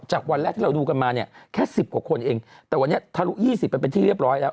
วันแรกที่เราดูกันมาเนี่ยแค่สิบกว่าคนเองแต่วันนี้ทะลุ๒๐ไปเป็นที่เรียบร้อยแล้ว